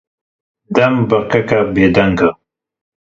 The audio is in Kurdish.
Dem, birekeke bêdeng e.